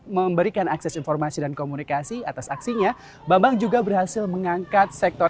memberikan akses informasi dan komunikasi atas aksinya bambang juga berhasil mengangkat sektor